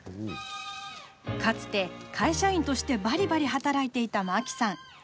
かつて、会社員としてばりばり働いていた、まきさん。